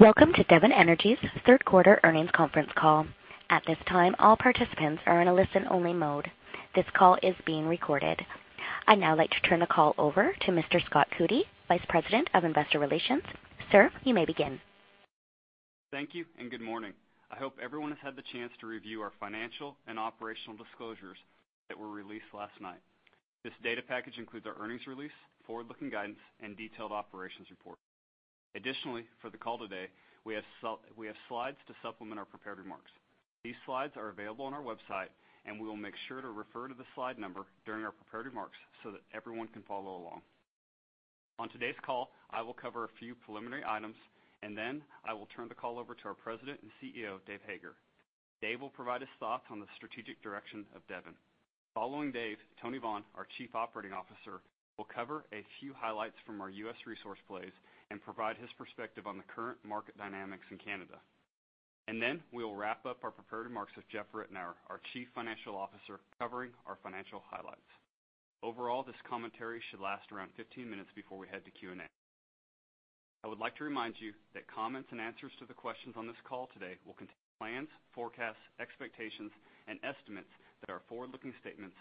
Welcome to Devon Energy's third quarter earnings conference call. At this time, all participants are in a listen-only mode. This call is being recorded. I'd now like to turn the call over to Mr. Scott Coody, Vice President of Investor Relations. Sir, you may begin. Thank you. Good morning. I hope everyone has had the chance to review our financial and operational disclosures that were released last night. This data package includes our earnings release, forward-looking guidance, and detailed operations report. Additionally, for the call today, we have slides to supplement our prepared remarks. We will make sure to refer to the slide number during our prepared remarks so that everyone can follow along. On today's call, I will cover a few preliminary items. Then I will turn the call over to our President and CEO, Dave Hager. Dave will provide his thoughts on the strategic direction of Devon. Following Dave, Tony Vaughn, our Chief Operating Officer, will cover a few highlights from our U.S. resource plays and provide his perspective on the current market dynamics in Canada. We will wrap up our prepared remarks with Jeff Ritenour, our Chief Financial Officer, covering our financial highlights. Overall, this commentary should last around 15 minutes before we head to Q&A. I would like to remind you that comments and answers to the questions on this call today will contain plans, forecasts, expectations, and estimates that are forward-looking statements.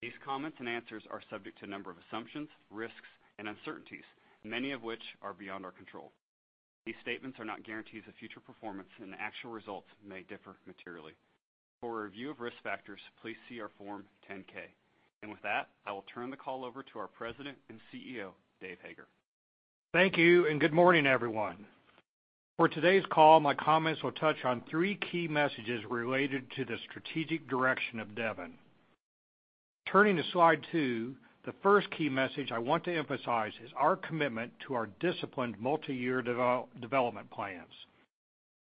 These comments and answers are subject to a number of assumptions, risks, and uncertainties, many of which are beyond our control. These statements are not guarantees of future performance, and actual results may differ materially. For a review of risk factors, please see our Form 10-K. With that, I will turn the call over to our President and CEO, Dave Hager. Thank you. Good morning, everyone. For today's call, my comments will touch on three key messages related to the strategic direction of Devon. Turning to Slide two, the first key message I want to emphasize is our commitment to our disciplined multi-year development plans.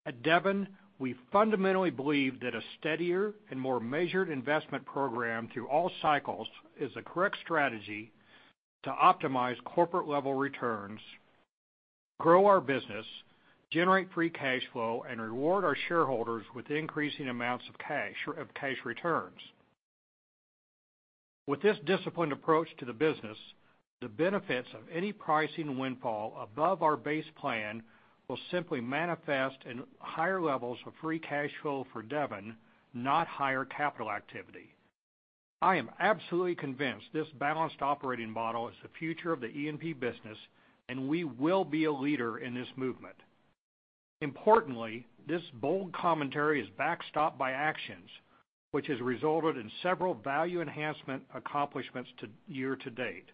At Devon, we fundamentally believe that a steadier and more measured investment program through all cycles is the correct strategy to optimize corporate-level returns, grow our business, generate free cash flow, and reward our shareholders with increasing amounts of cash returns. With this disciplined approach to the business, the benefits of any pricing windfall above our base plan will simply manifest in higher levels of free cash flow for Devon, not higher capital activity. I am absolutely convinced this balanced operating model is the future of the E&P business. We will be a leader in this movement. Importantly, this bold commentary is backstopped by actions, which has resulted in several value enhancement accomplishments year to date.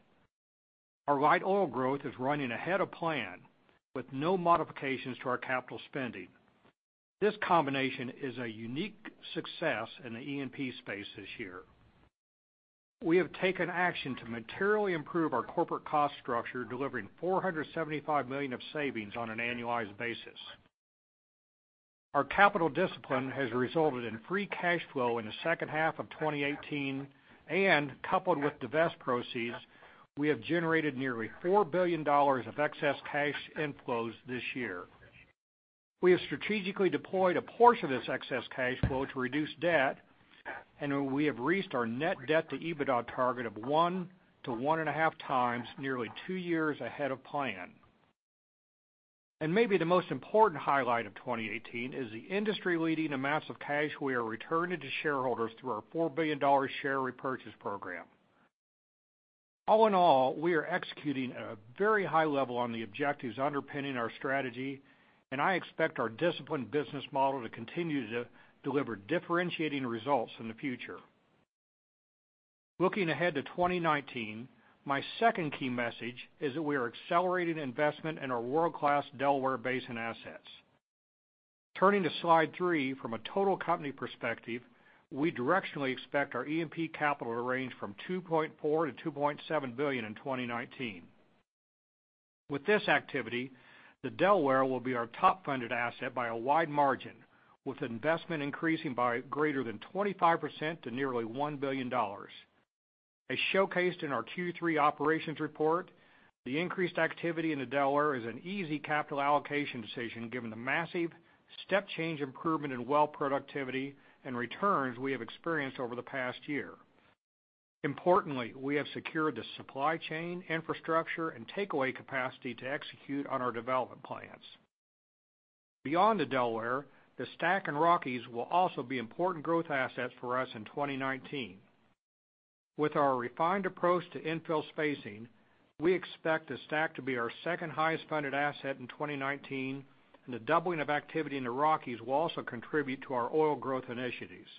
Our light oil growth is running ahead of plan, with no modifications to our capital spending. This combination is a unique success in the E&P space this year. We have taken action to materially improve our corporate cost structure, delivering $475 million of savings on an annualized basis. Our capital discipline has resulted in free cash flow in the second half of 2018, and coupled with divest proceeds, we have generated nearly $4 billion of excess cash inflows this year. We have strategically deployed a portion of this excess cash flow to reduce debt, and we have reached our net debt to EBITDA target of one to one and a half times, nearly two years ahead of plan. Maybe the most important highlight of 2018 is the industry-leading amounts of cash we are returning to shareholders through our $4 billion share repurchase program. All in all, we are executing at a very high level on the objectives underpinning our strategy, and I expect our disciplined business model to continue to deliver differentiating results in the future. Looking ahead to 2019, my second key message is that we are accelerating investment in our world-class Delaware Basin assets. Turning to Slide 3, from a total company perspective, we directionally expect our E&P capital to range from $2.4 billion-$2.7 billion in 2019. With this activity, the Delaware will be our top-funded asset by a wide margin, with investment increasing by greater than 25% to nearly $1 billion. As showcased in our Q3 operations report, the increased activity in the Delaware is an easy capital allocation decision given the massive step change improvement in well productivity and returns we have experienced over the past year. Importantly, we have secured the supply chain infrastructure and takeaway capacity to execute on our development plans. Beyond the Delaware, the STACK and Rockies will also be important growth assets for us in 2019. With our refined approach to infill spacing, we expect the STACK to be our second highest funded asset in 2019, and the doubling of activity in the Rockies will also contribute to our oil growth initiatives.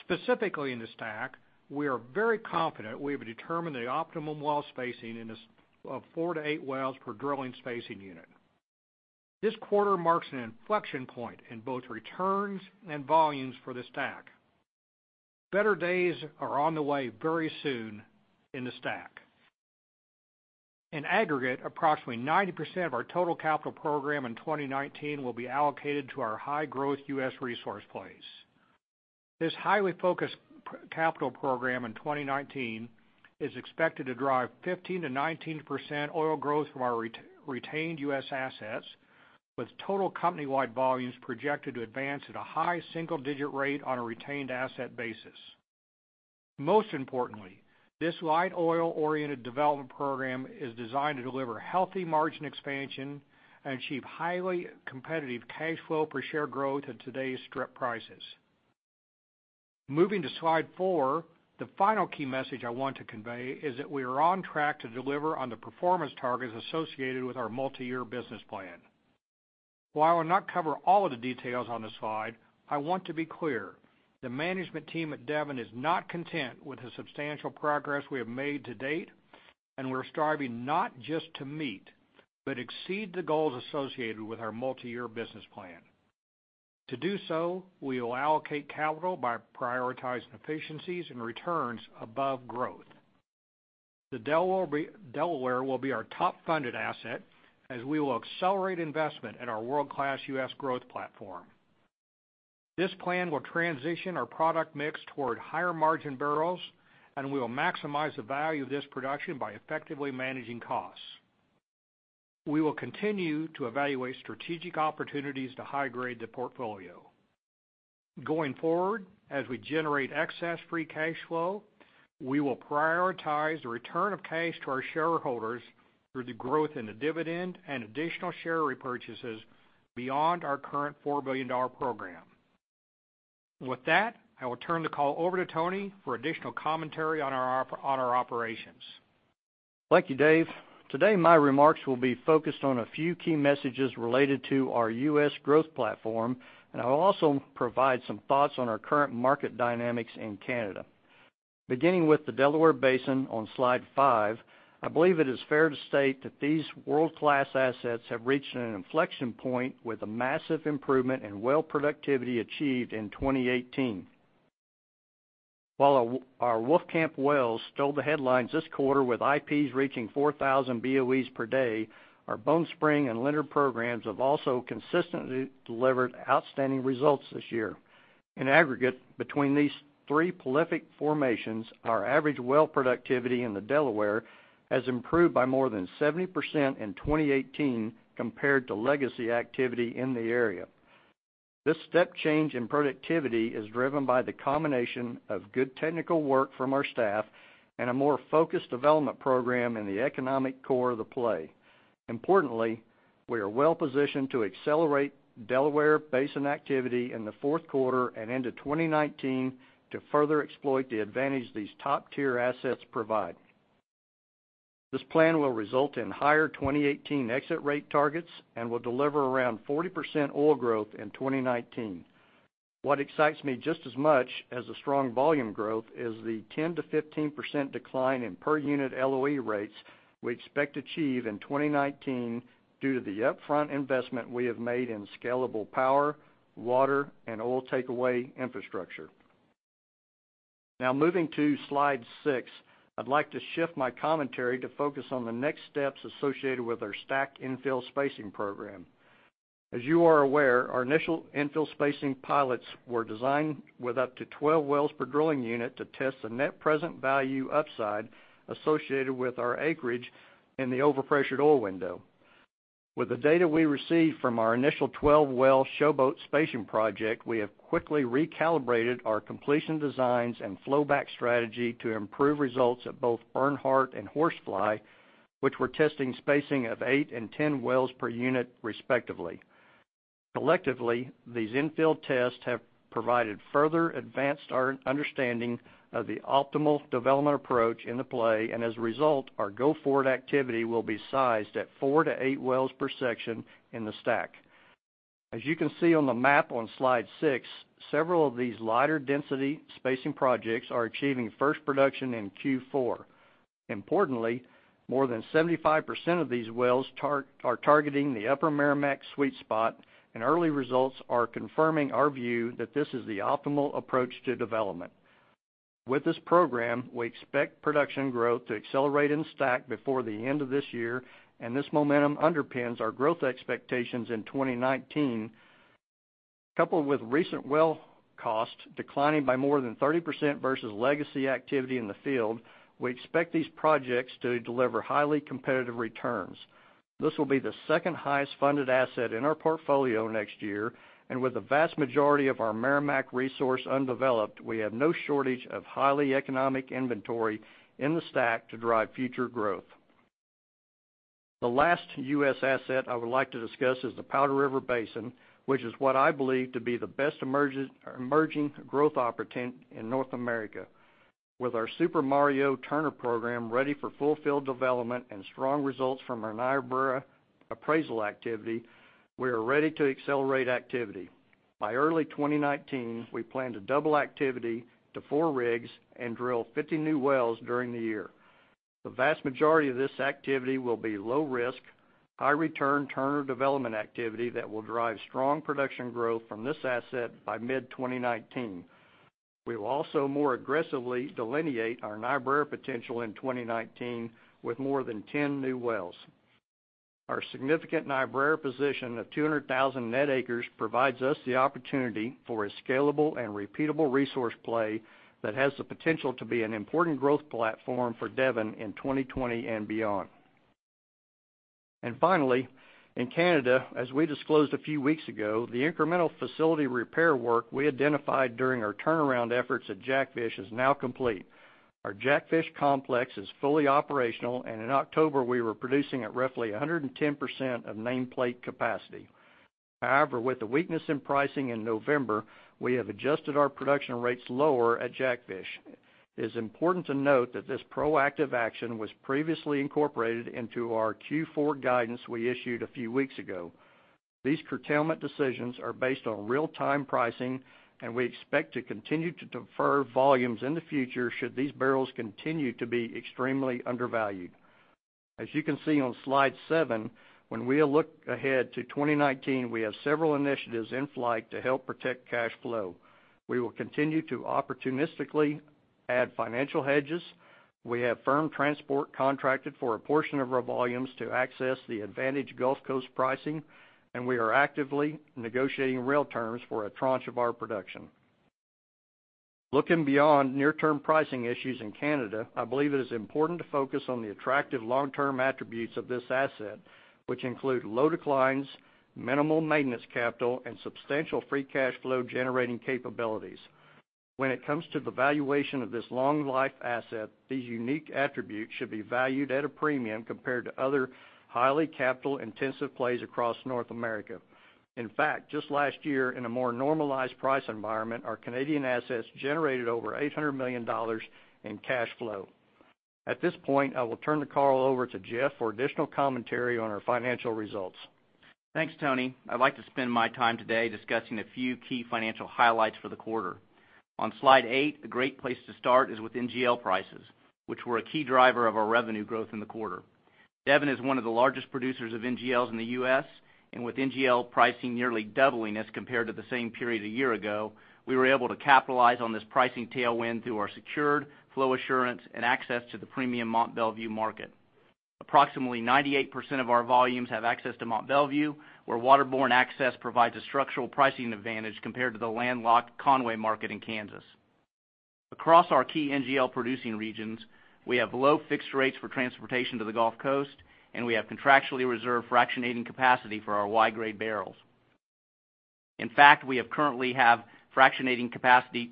Specifically in the STACK, we are very confident we have determined the optimum well spacing of four to eight wells per drilling spacing unit. This quarter marks an inflection point in both returns and volumes for the STACK. Better days are on the way very soon in the STACK. In aggregate, approximately 90% of our total capital program in 2019 will be allocated to our high-growth U.S. resource plays. This highly focused capital program in 2019 is expected to drive 15%-19% oil growth from our retained U.S. assets, with total company-wide volumes projected to advance at a high single-digit rate on a retained asset basis. Most importantly, this light oil-oriented development program is designed to deliver healthy margin expansion and achieve highly competitive cash flow per share growth at today's strip prices. Moving to slide four, the final key message I want to convey is that we are on track to deliver on the performance targets associated with our multi-year business plan. While I will not cover all of the details on this slide, I want to be clear, the management team at Devon is not content with the substantial progress we have made to date, we're striving not just to meet but exceed the goals associated with our multi-year business plan. To do so, we will allocate capital by prioritizing efficiencies and returns above growth. The Delaware will be our top funded asset as we will accelerate investment in our world-class U.S. growth platform. This plan will transition our product mix toward higher margin barrels, we will maximize the value of this production by effectively managing costs. We will continue to evaluate strategic opportunities to high grade the portfolio. Going forward, as we generate excess free cash flow, we will prioritize the return of cash to our shareholders through the growth in the dividend and additional share repurchases beyond our current $4 billion program. With that, I will turn the call over to Tony for additional commentary on our operations. Thank you, Dave. Today, my remarks will be focused on a few key messages related to our U.S. growth platform, I'll also provide some thoughts on our current market dynamics in Canada. Beginning with the Delaware Basin on Slide five, I believe it is fair to state that these world-class assets have reached an inflection point with a massive improvement in well productivity achieved in 2018. While our Wolfcamp wells stole the headlines this quarter with IPs reaching 4,000 BOEs per day, our Bone Spring and Leonard programs have also consistently delivered outstanding results this year. In aggregate, between these three prolific formations, our average well productivity in the Delaware has improved by more than 70% in 2018 compared to legacy activity in the area. This step change in productivity is driven by the combination of good technical work from our staff, a more focused development program in the economic core of the play. Importantly, we are well-positioned to accelerate Delaware Basin activity in the fourth quarter into 2019 to further exploit the advantage these top-tier assets provide. This plan will result in higher 2018 exit rate targets, will deliver around 40% oil growth in 2019. What excites me just as much as the strong volume growth is the 10%-15% decline in per unit LOE rates we expect to achieve in 2019 due to the upfront investment we have made in scalable power, water, and oil takeaway infrastructure. Moving to Slide six, I'd like to shift my commentary to focus on the next steps associated with our STACK infill spacing program. As you are aware, our initial infill spacing pilots were designed with up to 12 wells per drilling unit to test the net present value upside associated with our acreage in the over pressured oil window. With the data we received from our initial 12-well Showboat spacing project, we have quickly recalibrated our completion designs and flowback strategy to improve results at both Bernhardt and Horsefly, which we're testing spacing of eight and 10 wells per unit respectively. Collectively, these infill tests have provided further advanced our understanding of the optimal development approach in the play. As a result, our go-forward activity will be sized at four to eight wells per section in the STACK. As you can see on the map on slide six, several of these lighter density spacing projects are achieving first production in Q4. Importantly, more than 75% of these wells are targeting the Upper Meramec sweet spot. Early results are confirming our view that this is the optimal approach to development. With this program, we expect production growth to accelerate in STACK before the end of this year. This momentum underpins our growth expectations in 2019. Coupled with recent well costs declining by more than 30% versus legacy activity in the field, we expect these projects to deliver highly competitive returns. This will be the second highest funded asset in our portfolio next year. With the vast majority of our Meramec resource undeveloped, we have no shortage of highly economic inventory in the STACK to drive future growth. The last U.S. asset I would like to discuss is the Powder River Basin, which is what I believe to be the best emerging growth opportunity in North America. With our Super Mario Turner program ready for full field development and strong results from our Niobrara appraisal activity, we are ready to accelerate activity. By early 2019, we plan to double activity to four rigs and drill 50 new wells during the year. The vast majority of this activity will be low risk, high return Turner development activity that will drive strong production growth from this asset by mid-2019. We will also more aggressively delineate our Niobrara potential in 2019 with more than 10 new wells. Our significant Niobrara position of 200,000 net acres provides us the opportunity for a scalable and repeatable resource play that has the potential to be an important growth platform for Devon in 2020 and beyond. Finally, in Canada, as we disclosed a few weeks ago, the incremental facility repair work we identified during our turnaround efforts at Jackfish is now complete. Our Jackfish complex is fully operational. In October, we were producing at roughly 110% of nameplate capacity. However, with the weakness in pricing in November, we have adjusted our production rates lower at Jackfish. It is important to note that this proactive action was previously incorporated into our Q4 guidance we issued a few weeks ago. These curtailment decisions are based on real-time pricing. We expect to continue to defer volumes in the future should these barrels continue to be extremely undervalued. As you can see on slide 7, when we look ahead to 2019, we have several initiatives in flight to help protect cash flow. We will continue to opportunistically add financial hedges. We have firm transport contracted for a portion of our volumes to access the advantage Gulf Coast pricing. We are actively negotiating rail terms for a tranche of our production. Looking beyond near-term pricing issues in Canada, I believe it is important to focus on the attractive long-term attributes of this asset, which include low declines, minimal maintenance capital, and substantial free cash flow-generating capabilities. When it comes to the valuation of this long-life asset, these unique attributes should be valued at a premium compared to other highly capital-intensive plays across North America. In fact, just last year in a more normalized price environment, our Canadian assets generated over $800 million in cash flow. At this point, I will turn the call over to Jeff for additional commentary on our financial results. Thanks, Tony. I'd like to spend my time today discussing a few key financial highlights for the quarter. On Slide 8, a great place to start is with NGL prices, which were a key driver of our revenue growth in the quarter. Devon is one of the largest producers of NGLs in the U.S., and with NGL pricing nearly doubling as compared to the same period a year ago, we were able to capitalize on this pricing tailwind through our secured flow assurance and access to the premium Mont Belvieu market. Approximately 98% of our volumes have access to Mont Belvieu, where waterborne access provides a structural pricing advantage compared to the landlocked Conway market in Kansas. Across our key NGL producing regions, we have low fixed rates for transportation to the Gulf Coast, and we have contractually reserved fractionating capacity for our Y-grade barrels. In fact, we currently have excess fractionating capacity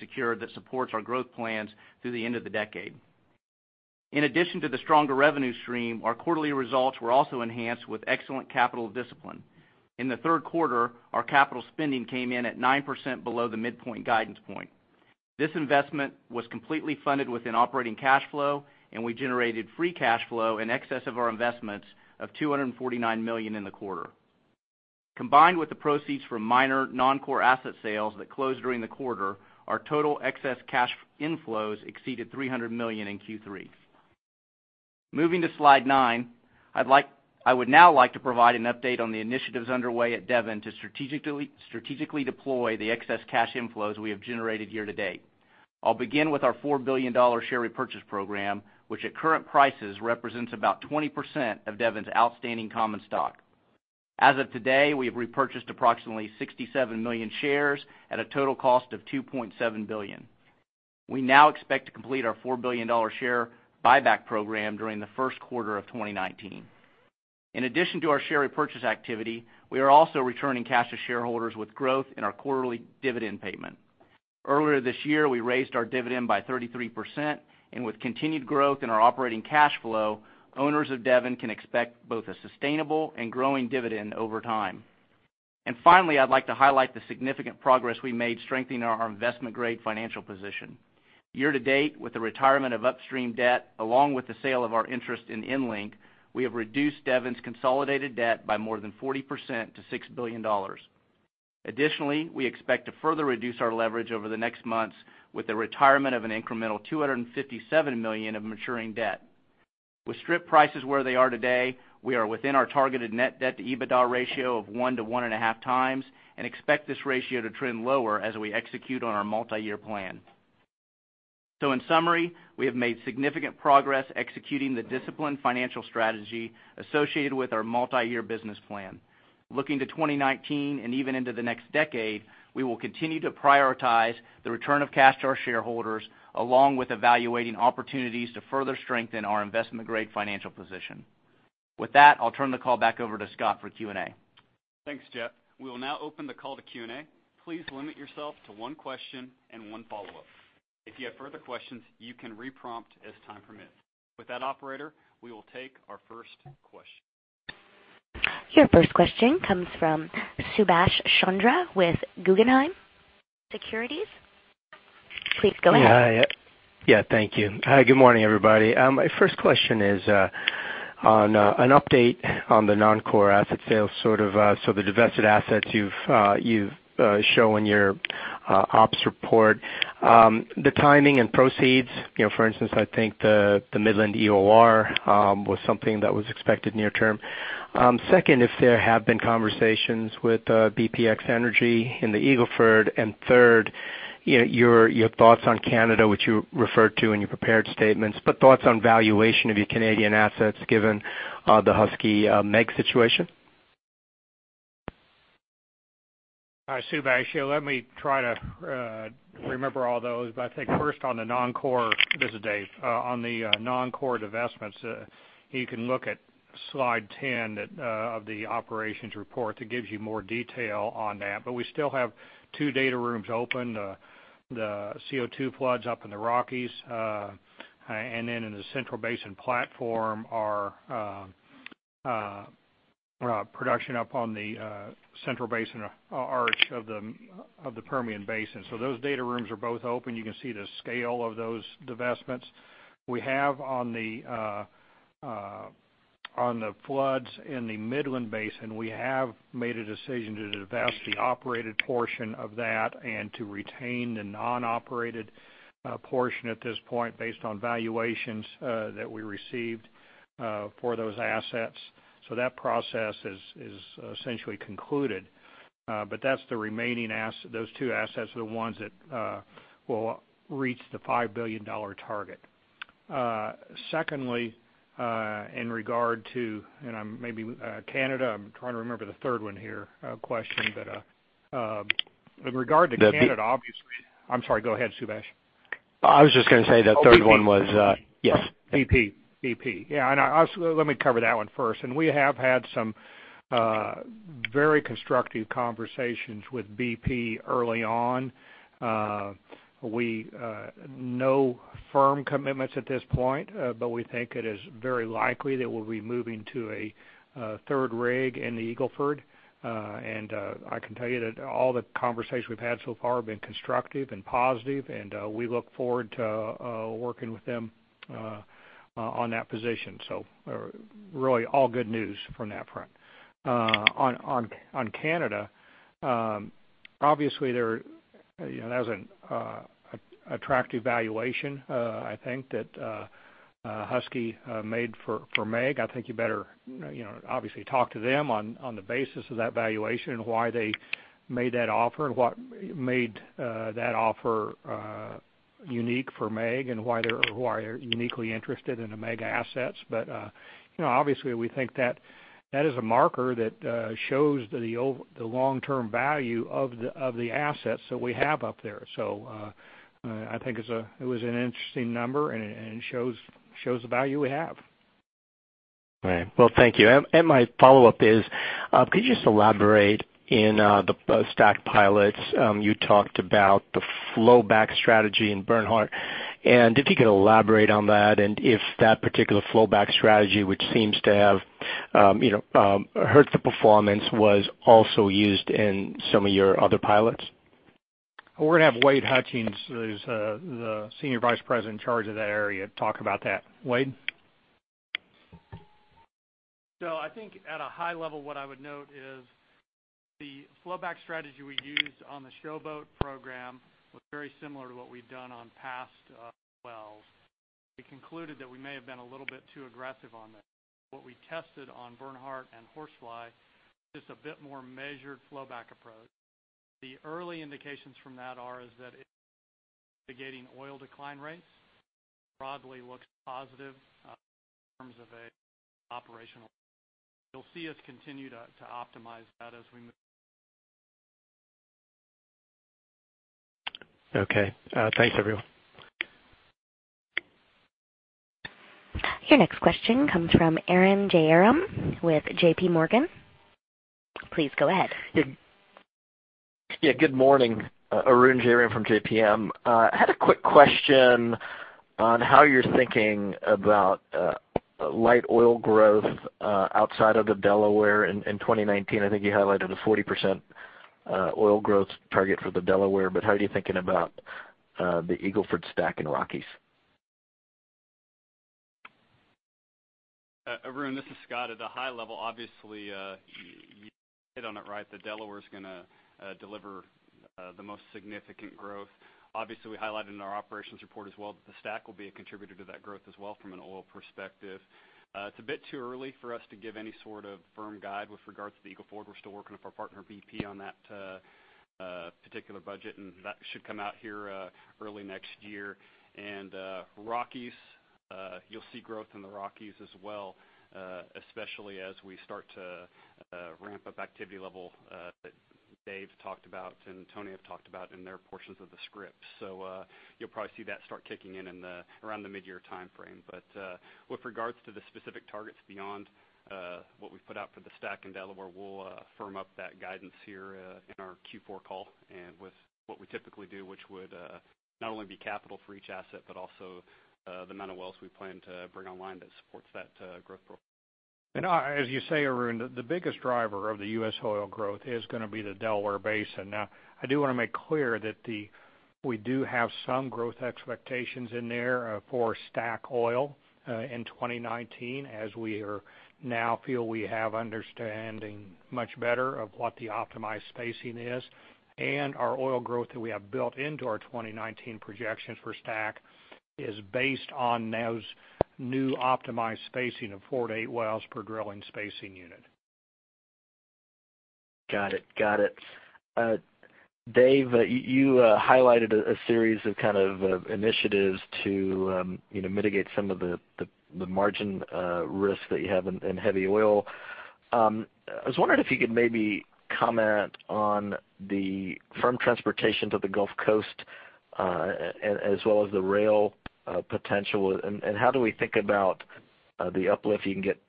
secured that supports our growth plans through the end of the decade. In addition to the stronger revenue stream, our quarterly results were also enhanced with excellent capital discipline. In the third quarter, our capital spending came in at 9% below the midpoint guidance point. This investment was completely funded within operating cash flow, and we generated free cash flow in excess of our investments of $249 million in the quarter. Combined with the proceeds from minor non-core asset sales that closed during the quarter, our total excess cash inflows exceeded $300 million in Q3. Moving to Slide 9, I would now like to provide an update on the initiatives underway at Devon to strategically deploy the excess cash inflows we have generated year-to-date. I'll begin with our $4 billion share repurchase program, which at current prices represents about 20% of Devon's outstanding common stock. As of today, we have repurchased approximately 67 million shares at a total cost of $2.7 billion. We now expect to complete our $4 billion share buyback program during the first quarter of 2019. In addition to our share repurchase activity, we are also returning cash to shareholders with growth in our quarterly dividend payment. Earlier this year, we raised our dividend by 33%, and with continued growth in our operating cash flow, owners of Devon can expect both a sustainable and growing dividend over time. Finally, I'd like to highlight the significant progress we made strengthening our investment-grade financial position. Year-to-date, with the retirement of upstream debt, along with the sale of our interest in EnLink, we have reduced Devon's consolidated debt by more than 40% to $6 billion. Additionally, we expect to further reduce our leverage over the next months with the retirement of an incremental $257 million of maturing debt. With strip prices where they are today, we are within our targeted net debt-to-EBITDA ratio of one to one and a half times, and expect this ratio to trend lower as we execute on our multiyear plan. In summary, we have made significant progress executing the disciplined financial strategy associated with our multiyear business plan. Looking to 2019 and even into the next decade, we will continue to prioritize the return of cash to our shareholders, along with evaluating opportunities to further strengthen our investment-grade financial position. With that, I'll turn the call back over to Scott for Q&A. Thanks, Jeff. We will now open the call to Q&A. Please limit yourself to one question and one follow-up. If you have further questions, you can re-prompt as time permits. With that, operator, we will take our first question. Your first question comes from Subash Chandra with Guggenheim Securities. Please go ahead. Yeah. Thank you. Hi, good morning, everybody. My first question is on an update on the non-core asset sales, so the divested assets you show in your ops report. The timing and proceeds, for instance, I think the Midland EOR was something that was expected near term. Second, if there have been conversations with bpx energy in the Eagle Ford. Third, your thoughts on Canada, which you referred to in your prepared statements, but thoughts on valuation of your Canadian assets given the Husky MEG situation? Hi, Subash. Let me try to remember all those. I think first on the non-core, this is Dave, on the non-core divestments, you can look at slide 10 of the operations report. That gives you more detail on that. We still have two data rooms open, the CO2 floods up in the Rockies, and then in the Central Basin Platform, our production up on the Central Basin Arch of the Permian Basin. Those data rooms are both open. You can see the scale of those divestments. We have on the floods in the Midland Basin, we have made a decision to divest the operated portion of that and to retain the non-operated portion at this point based on valuations that we received for those assets. That process is essentially concluded. Those two assets are the ones that will reach the $5 billion target. Secondly, in regard to Canada, I'm trying to remember the third one here, a question. In regard to Canada, I'm sorry, go ahead, Subash. I was just going to say the third one was. Oh, BP. Yes. BP. Yeah, let me cover that one first. We have had some very constructive conversations with BP early on. No firm commitments at this point. We think it is very likely that we'll be moving to a third rig in the Eagle Ford. I can tell you that all the conversations we've had so far have been constructive and positive, and we look forward to working with them on that position. Really all good news from that front. On Canada, obviously that was an attractive valuation, I think that Husky made for MEG. I think you better obviously talk to them on the basis of that valuation and why they made that offer and what made that offer unique for MEG and why they're uniquely interested in the MEG assets. Obviously, we think that is a marker that shows the long-term value of the assets that we have up there. I think it was an interesting number, and it shows the value we have. Right. Well, thank you. My follow-up is, could you just elaborate in the STACK pilots, you talked about the flowback strategy in Bernhardt, and if you could elaborate on that and if that particular flowback strategy, which seems to have hurt the performance, was also used in some of your other pilots? We're going to have Wade Hutchings, who's the Senior Vice President in charge of that area, talk about that. Wade? I think at a high level, what I would note is the flowback strategy we used on the Showboat program was very similar to what we'd done on past wells. We concluded that we may have been a little bit too aggressive on this. What we tested on Bernhardt and Horsefly is a bit more measured flowback approach. The early indications from that are is that it's mitigating oil decline rates, broadly looks positive in terms of a operational. You'll see us continue to optimize that as we move. Okay. Thanks, everyone. Your next question comes from Arun Jayaram with JPMorgan. Please go ahead. Good morning. Arun Jayaram from JPM. I had a quick question on how you're thinking about light oil growth outside of the Delaware in 2019. I think you highlighted a 40% oil growth target for the Delaware, how are you thinking about the Eagle Ford STACK in Rockies? Arun, this is Scott. At a high level, obviously, you hit on it right, the Delaware's going to deliver the most significant growth. Obviously, we highlighted in our operations report as well that the STACK will be a contributor to that growth as well from an oil perspective. It's a bit too early for us to give any sort of firm guide with regards to the Eagle Ford. We're still working with our partner BP on that particular budget, that should come out here early next year. Rockies, you'll see growth in the Rockies as well, especially as we start to ramp up activity level that Dave talked about and Tony have talked about in their portions of the script. You'll probably see that start kicking in around the mid-year timeframe. With regards to the specific targets beyond what we've put out for the STACK and Delaware, we'll firm up that guidance here in our Q4 call and with what we typically do, which would not only be capital for each asset, but also the amount of wells we plan to bring online that supports that growth profile. As you say, Arun, the biggest driver of the U.S. oil growth is going to be the Delaware Basin. Now, I do want to make clear that we do have some growth expectations in there for STACK Oil in 2019, as we now feel we have understanding much better of what the optimized spacing is. Our oil growth that we have built into our 2019 projections for STACK is based on those new optimized spacing of four to eight wells per drilling spacing unit. Got it. Dave, you highlighted a series of initiatives to mitigate some of the margin risk that you have in heavy oil. I was wondering if you could maybe comment on the firm transportation to the Gulf Coast as well as the rail potential. How do we think about the uplift you can get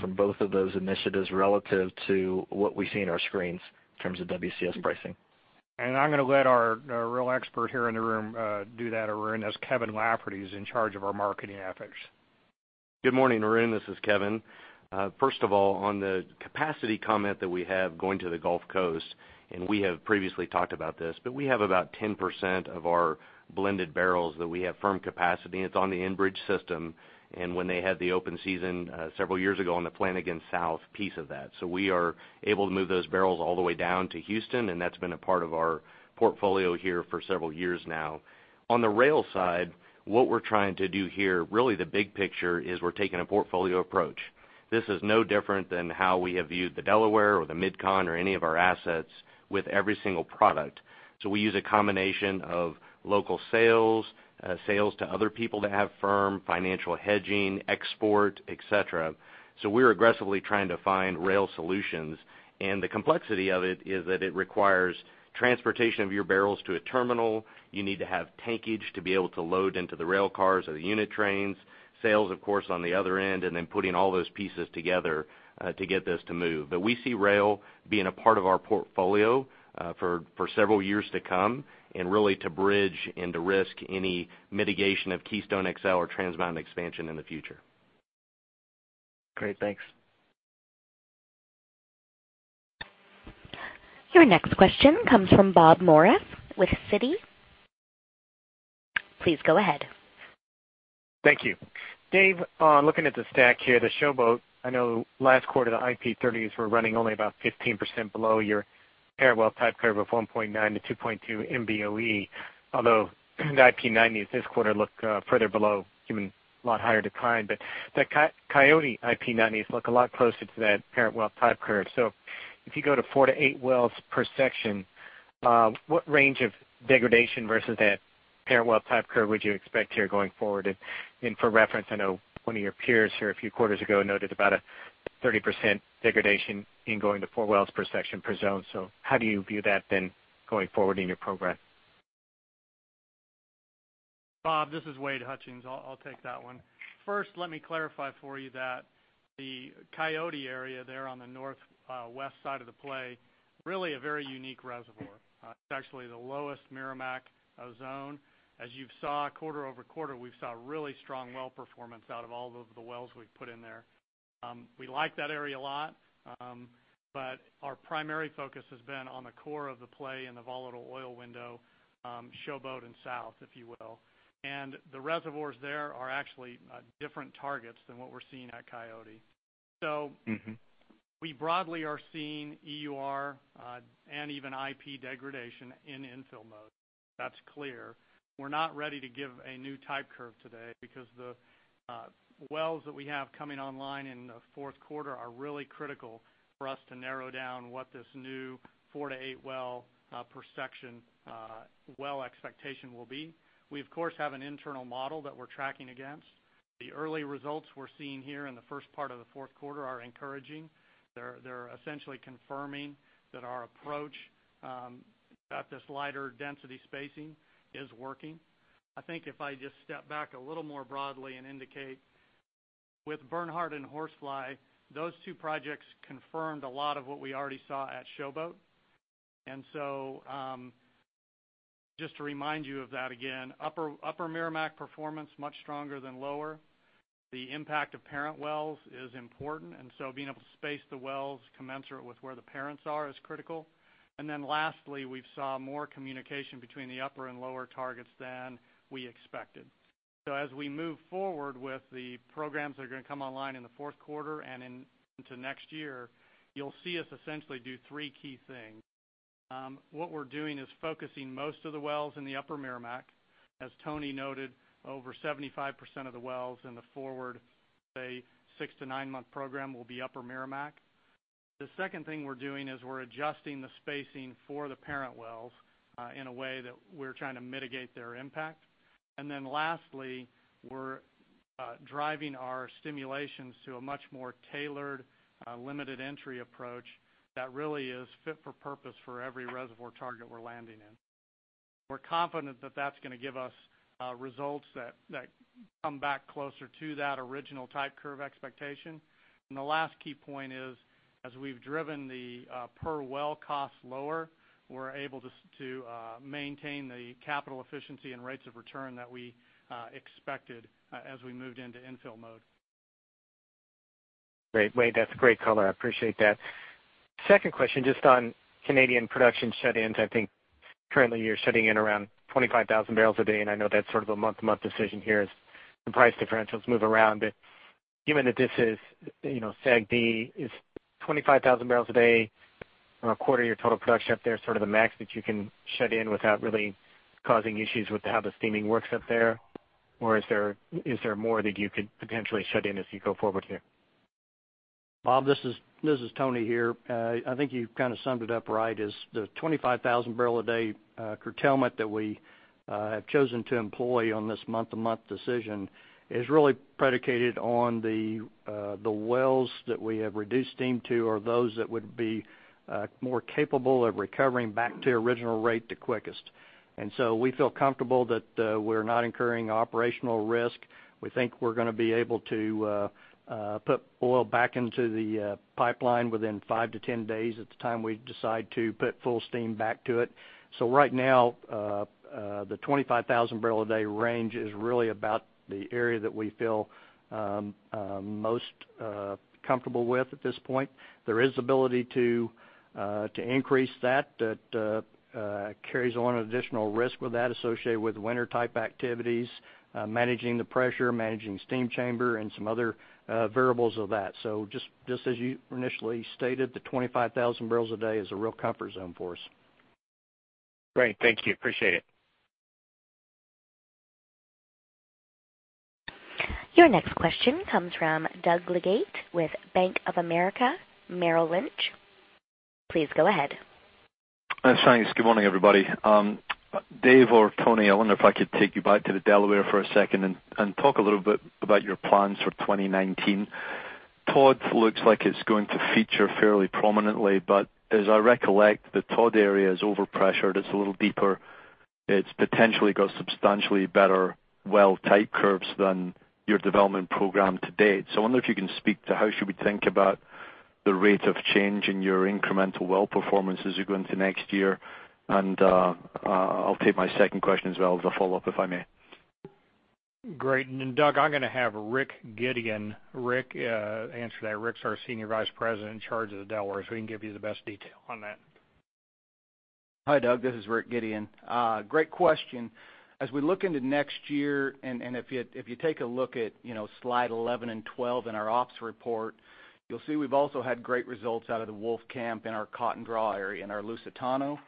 from both of those initiatives relative to what we see in our screens in terms of WCS pricing? I'm going to let our real expert here in the room do that, Arun. That's Kevin Lafferty, who's in charge of our marketing efforts. Good morning, Arun. This is Kevin. First of all, on the capacity comment that we have going to the Gulf Coast, we have previously talked about this, we have about 10% of our blended barrels that we have firm capacity. It's on the Enbridge system. When they had the open season several years ago on the Flanagan South piece of that, we are able to move those barrels all the way down to Houston, that's been a part of our portfolio here for several years now. On the rail side, what we're trying to do here, really the big picture is we're taking a portfolio approach. This is no different than how we have viewed the Delaware or the MidCon or any of our assets with every single product. We use a combination of local sales to other people that have firm financial hedging, export, et cetera. We're aggressively trying to find rail solutions. The complexity of it is that it requires transportation of your barrels to a terminal. You need to have tankage to be able to load into the rail cars or the unit trains. Sales, of course, on the other end, then putting all those pieces together to get this to move. We see rail being a part of our portfolio for several years to come and really to bridge and de-risk any mitigation of Keystone XL or Trans Mountain expansion in the future. Great. Thanks. Your next question comes from Bob Morris with Citi. Please go ahead. Thank you. Dave, looking at the stack here, the Showboat, I know last quarter the IP-30s were running only about 15% below your parent well type curve of 1.9 MBOE-2.2 MBOE, the IP-90s this quarter look further below, given a lot higher decline. The Coyote IP-90s look a lot closer to that parent well type curve. If you go to four to eight wells per section, what range of degradation versus that parent well type curve would you expect here going forward? For reference, I know one of your peers here a few quarters ago noted about a 30% degradation in going to four wells per section per zone. How do you view that then going forward in your program? Bob, this is Wade Hutchings. I'll take that one. Let me clarify for you that the Coyote area there on the northwest side of the play, really a very unique reservoir. It's actually the Lower Meramec zone. As you saw quarter-over-quarter, we saw really strong well performance out of all of the wells we've put in there. We like that area a lot, but our primary focus has been on the core of the play in the volatile oil window, Showboat and South, if you will. The reservoirs there are actually different targets than what we're seeing at Coyote. We broadly are seeing EUR and even IP degradation in infill mode. That's clear. We're not ready to give a new type curve today because the wells that we have coming online in the fourth quarter are really critical for us to narrow down what this new four to eight well per section well expectation will be. We of course have an internal model that we're tracking against. The early results we're seeing here in the first part of the fourth quarter are encouraging. They're essentially confirming that our approach at this lighter density spacing is working. If I just step back a little more broadly and indicate with Bernhardt and Horsefly, those two projects confirmed a lot of what we already saw at Showboat. Just to remind you of that, again, Upper Meramec performance much stronger than lower. The impact of parent wells is important, being able to space the wells commensurate with where the parents are is critical. Lastly, we saw more communication between the upper and lower targets than we expected. As we move forward with the programs that are going to come online in the fourth quarter and into next year, you'll see us essentially do three key things. What we're doing is focusing most of the wells in the Upper Meramec. As Tony noted, over 75% of the wells in the forward, say, six to nine-month program will be Upper Meramec. The second thing we're doing is we're adjusting the spacing for the parent wells in a way that we're trying to mitigate their impact. Lastly, we're driving our stimulations to a much more tailored, limited entry approach that really is fit for purpose for every reservoir target we're landing in. We're confident that that's going to give us results that come back closer to that original type curve expectation. The last key point is, as we've driven the per well cost lower, we're able to maintain the capital efficiency and rates of return that we expected as we moved into infill mode. Great, Wade. That's a great color. I appreciate that. Second question, just on Canadian production shut-ins. I think currently you're shutting in around 25,000 barrels a day, and I know that's sort of a month-to-month decision here as the price differentials move around. Given that this is SAGD, is 25,000 barrels a day on a quarter of your total production up there sort of the max that you can shut in without really causing issues with how the steaming works up there? Or is there more that you could potentially shut in as you go forward here? Bob, this is Tony here. I think you've kind of summed it up right as the 25,000 barrel a day curtailment that we have chosen to employ on this month-to-month decision is really predicated on the wells that we have reduced steam to or those that would be more capable of recovering back to original rate the quickest. We feel comfortable that we're not incurring operational risk. We think we're going to be able to put oil back into the pipeline within 5 to 10 days at the time we decide to put full steam back to it. Right now, the 25,000 barrel a day range is really about the area that we feel most comfortable with at this point. There is ability to increase that. That carries on additional risk with that associated with winter type activities, managing the pressure, managing steam chamber, and some other variables of that. Just as you initially stated, the 25,000 barrels a day is a real comfort zone for us. Great. Thank you. Appreciate it. Your next question comes from Doug Leggate with Bank of America Merrill Lynch. Please go ahead. Thanks. Good morning, everybody. Dave or Tony, I wonder if I could take you back to the Delaware for a second and talk a little bit about your plans for 2019. Todd looks like it's going to feature fairly prominently, as I recollect, the Todd area is overpressured. It's a little deeper. It's potentially got substantially better well type curves than your development program to date. I wonder if you can speak to how should we think about the rate of change in your incremental well performance as you go into next year. I'll take my second question as well as a follow-up, if I may. Great. Doug, I'm going to have Rick Gideon answer that. Rick's our Senior Vice President in charge of the Delaware, he can give you the best detail on that. Hi, Doug. This is Rick Gideon. Great question. As we look into next year, if you take a look at slide 11 and 12 in our ops report, you'll see we've also had great results out of the Wolfcamp in our Cotton Draw area and our Lusitano.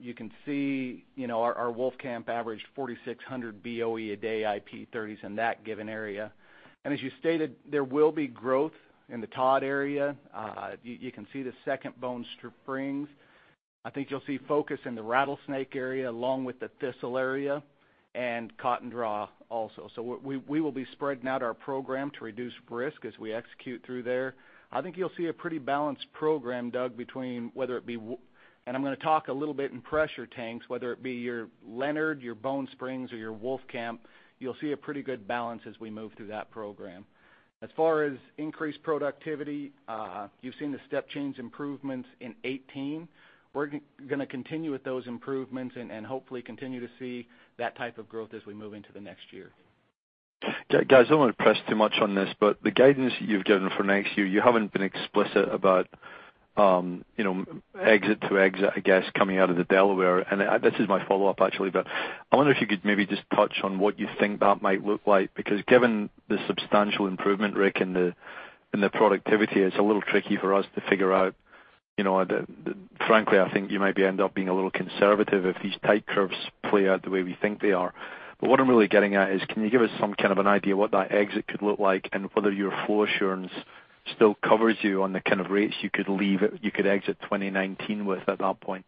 You can see our Wolfcamp averaged 4,600 BOE a day IP-30s in that given area. As you stated, there will be growth in the Todd area. You can see the Second Bone Springs. I think you'll see focus in the Rattlesnake area along with the Thistle area and Cotton Draw also. We will be spreading out our program to reduce risk as we execute through there. I think you'll see a pretty balanced program, Doug, between and I'm going to talk a little bit in pressure tanks, whether it be your Leonard, your Bone Springs, or your Wolfcamp. You'll see a pretty good balance as we move through that program. As far as increased productivity, you've seen the step change improvements in 2018. We're going to continue with those improvements and hopefully continue to see that type of growth as we move into the next year. Guys, I don't want to press too much on this. The guidance you've given for next year, you haven't been explicit about exit to exit, I guess, coming out of the Delaware. This is my follow-up actually. I wonder if you could maybe just touch on what you think that might look like. Given the substantial improvement, Rick, in the productivity, it's a little tricky for us to figure out. Frankly, I think you might end up being a little conservative if these type curves play out the way we think they are. What I'm really getting at is, can you give us some kind of an idea what that exit could look like and whether your flow assurance still covers you on the kind of rates you could exit 2019 with at that point?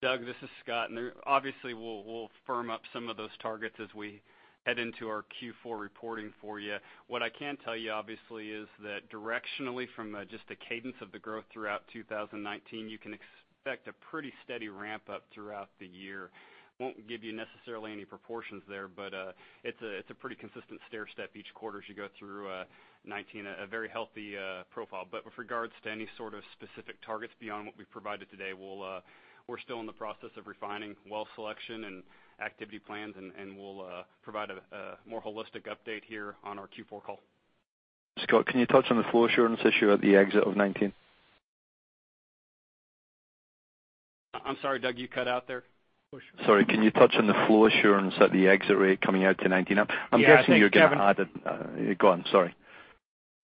Doug, this is Scott. Obviously we'll firm up some of those targets as we head into our Q4 reporting for you. What I can tell you obviously is that directionally from just the cadence of the growth throughout 2019, you can expect a pretty steady ramp up throughout the year. Won't give you necessarily any proportions there, but it's a pretty consistent stairstep each quarter as you go through 2019. A very healthy profile. With regards to any sort of specific targets beyond what we've provided today, we're still in the process of refining well selection and activity plans. We'll provide a more holistic update here on our Q4 call. Scott, can you touch on the flow assurance issue at the exit of 2019? I'm sorry, Doug, you cut out there. Sorry. Can you touch on the flow assurance at the exit rate coming out to 2019? I'm guessing you're going to add it. Go on. Sorry.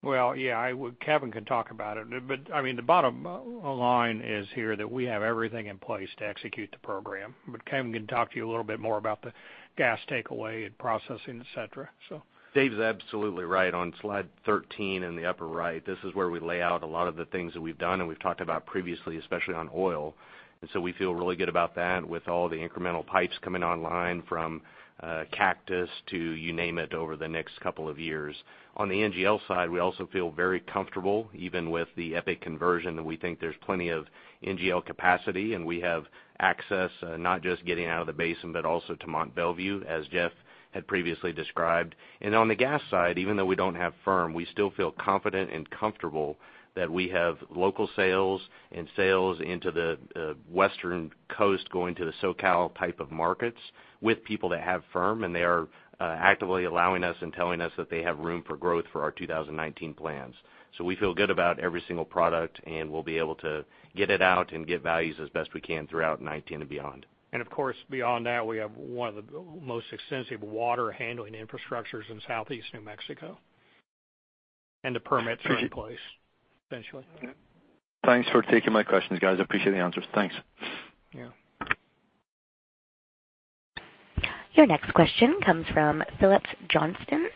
Well, yeah. Kevin can talk about it. The bottom line is here that we have everything in place to execute the program. Kevin can talk to you a little bit more about the gas takeaway and processing, et cetera. Dave's absolutely right. On slide 13 in the upper right, this is where we lay out a lot of the things that we've done and we've talked about previously, especially on oil. We feel really good about that with all the incremental pipes coming online from Cactus to you name it over the next couple of years. On the NGL side, we also feel very comfortable even with the EPIC conversion, that we think there's plenty of NGL capacity, and we have access, not just getting out of the basin, but also to Mont Belvieu, as Jeff had previously described. On the gas side, even though we don't have firm, we still feel confident and comfortable that we have local sales and sales into the Western coast going to the SoCal type of markets with people that have firm, and they are actively allowing us and telling us that they have room for growth for our 2019 plans. We feel good about every single product, and we'll be able to get it out and get values as best we can throughout 2019 and beyond. Of course, beyond that, we have one of the most extensive water handling infrastructures in southeast New Mexico, and the permits are in place, essentially. Thanks for taking my questions, guys. Appreciate the answers. Thanks. Yeah. Your next question comes from Phillips Johnston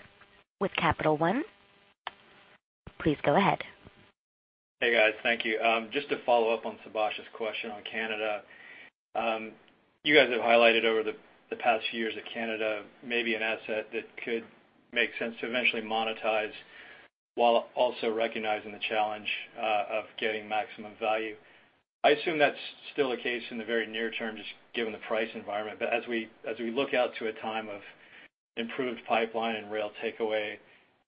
with Capital One. Please go ahead. Hey, guys. Thank you. Just to follow up on Subash's question on Canada. You guys have highlighted over the past years that Canada may be an asset that could make sense to eventually monetize, while also recognizing the challenge of getting maximum value. I assume that's still the case in the very near term, just given the price environment. As we look out to a time of improved pipeline and rail takeaway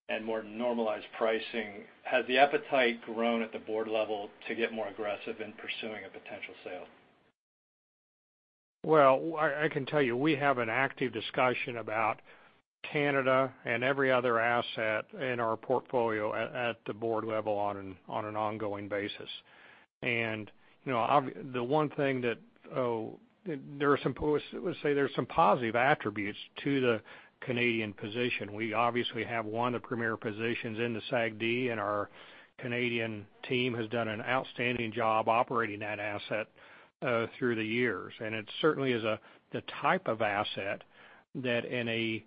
and more normalized pricing, has the appetite grown at the board level to get more aggressive in pursuing a potential sale? Well, I can tell you, we have an active discussion about Canada and every other asset in our portfolio at the board level on an ongoing basis. The one thing that Let's say there's some positive attributes to the Canadian position. We obviously have one of the premier positions in the SAGD, and our Canadian team has done an outstanding job operating that asset through the years. It certainly is the type of asset that in a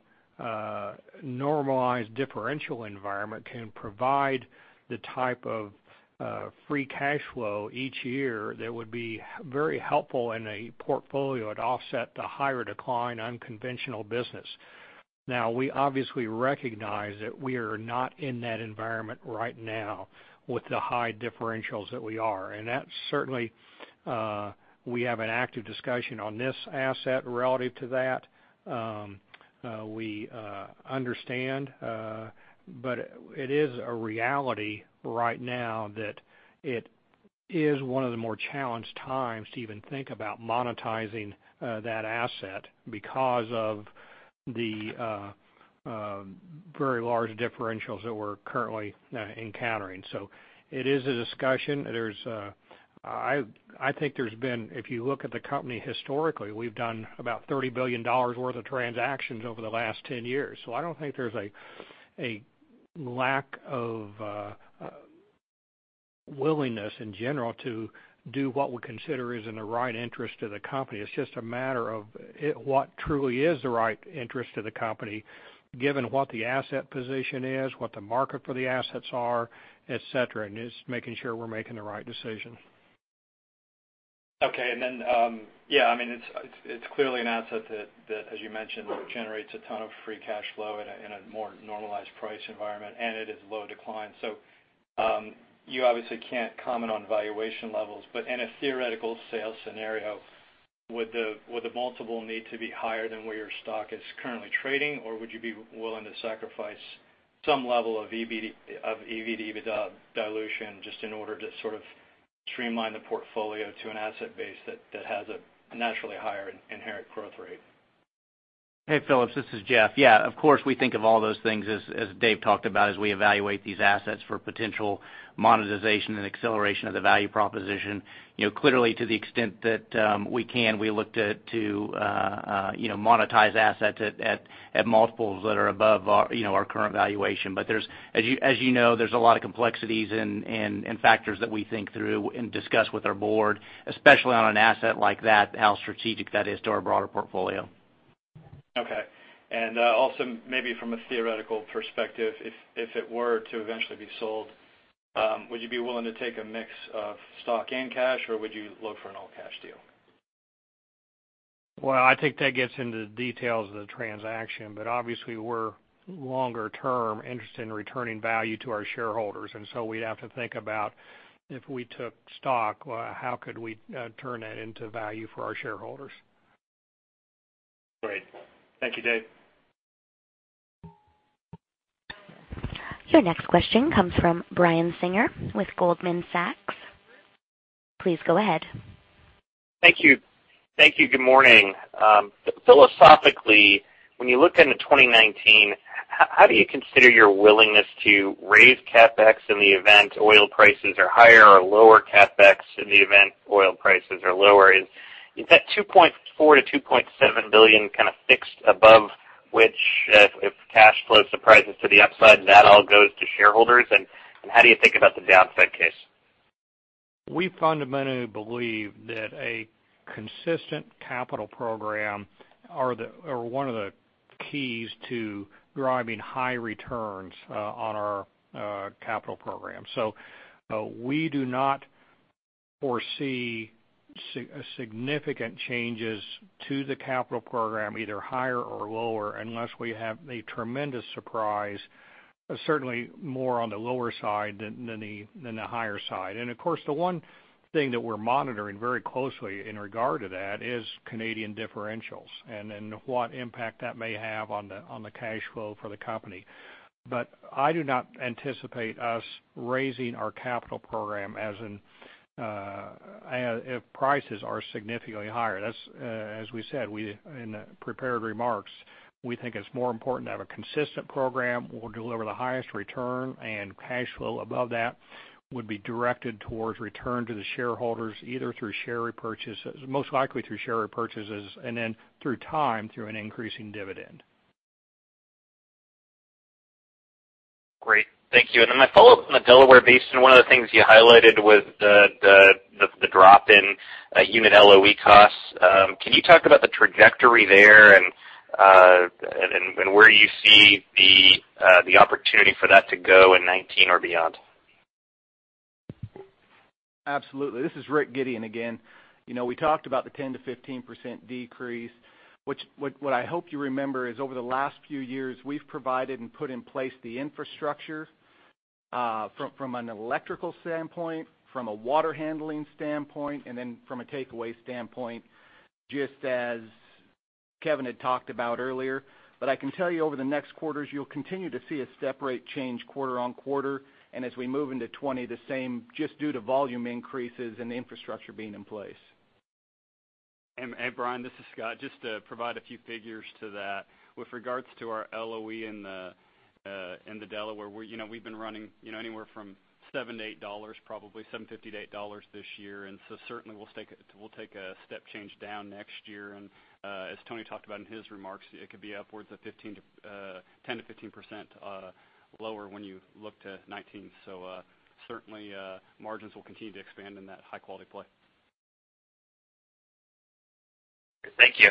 normalized differential environment, can provide the type of free cash flow each year that would be very helpful in a portfolio to offset the higher decline unconventional business. We obviously recognize that we are not in that environment right now with the high differentials that we are. That's certainly, we have an active discussion on this asset relative to that. We understand, it is a reality right now that it is one of the more challenged times to even think about monetizing that asset because of the very large differentials that we're currently encountering. It is a discussion. I think there's been, if you look at the company historically, we've done about $30 billion worth of transactions over the last 10 years. I don't think there's a lack of willingness in general to do what we consider is in the right interest of the company. It's just a matter of what truly is the right interest of the company, given what the asset position is, what the market for the assets are, et cetera, it's making sure we're making the right decision. Okay. Then, it's clearly an asset that, as you mentioned, generates a ton of free cash flow in a more normalized price environment, it is low decline. You obviously can't comment on valuation levels, but in a theoretical sales scenario, would the multiple need to be higher than where your stock is currently trading? Would you be willing to sacrifice some level of EV to EBITDA dilution just in order to sort of streamline the portfolio to an asset base that has a naturally higher inherent growth rate? Hey, Phillips. This is Jeff. Of course, we think of all those things as Dave talked about, as we evaluate these assets for potential monetization and acceleration of the value proposition. Clearly, to the extent that we can, we look to monetize assets at multiples that are above our current valuation. As you know, there's a lot of complexities and factors that we think through and discuss with our board, especially on an asset like that, how strategic that is to our broader portfolio. Okay. Also maybe from a theoretical perspective, if it were to eventually be sold, would you be willing to take a mix of stock and cash, or would you look for an all-cash deal? Well, I think that gets into the details of the transaction, obviously we're longer term interested in returning value to our shareholders, we'd have to think about if we took stock, how could we turn that into value for our shareholders? Great. Thank you, Dave. Your next question comes from Brian Singer with Goldman Sachs. Please go ahead. Thank you. Good morning. Philosophically, when you look into 2019, how do you consider your willingness to raise CapEx in the event oil prices are higher or lower CapEx in the event oil prices are lower? Is that $2.4 billion-$2.7 billion kind of fixed above which, if cash flow surprises to the upside, that all goes to shareholders? How do you think about the downside case? We fundamentally believe that a consistent capital program are one of the keys to driving high returns on our capital program. We do not foresee significant changes to the capital program, either higher or lower, unless we have a tremendous surprise, certainly more on the lower side than the higher side. Of course, the one thing that we're monitoring very closely in regard to that is Canadian differentials and then what impact that may have on the cash flow for the company. I do not anticipate us raising our capital program if prices are significantly higher. As we said in the prepared remarks, we think it's more important to have a consistent program that will deliver the highest return, cash flow above that would be directed towards return to the shareholders, Most likely through share repurchases, through time, through an increasing dividend. Great. Thank you. My follow-up on the Delaware Basin, one of the things you highlighted was the drop in unit LOE costs. Can you talk about the trajectory there and where you see the opportunity for that to go in 2019 or beyond? Absolutely. This is Rick Gideon again. We talked about the 10%-15% decrease. What I hope you remember is over the last few years, we've provided and put in place the infrastructure, from an electrical standpoint, from a water handling standpoint, and then from a takeaway standpoint, just as Kevin had talked about earlier. I can tell you over the next quarters, you'll continue to see a step rate change quarter on quarter, and as we move into 2020, the same, just due to volume increases and the infrastructure being in place. Brian, this is Scott. Just to provide a few figures to that. With regards to our LOE in the Delaware, we've been running anywhere from $7-$8, probably $7.50-$8 this year. Certainly we'll take a step change down next year. As Tony talked about in his remarks, it could be upwards of 10%-15% lower when you look to 2019. Certainly, margins will continue to expand in that high-quality play. Thank you.